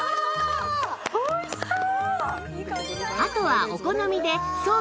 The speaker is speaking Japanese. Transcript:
美味しそう！